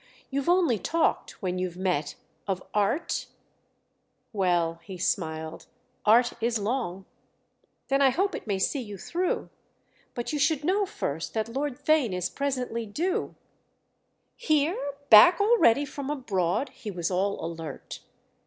"You've only talked—when you've met—of 'art'?" "Well," he smiled, "'art is long'!" "Then I hope it may see you through! But you should know first that Lord Theign is presently due—" "Here, back already from abroad?"—he was all alert.